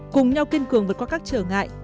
cùng nhau kiên cường vượt qua các trở ngại